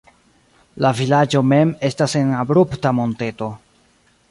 La vilaĝo mem estas en abrupta monteto.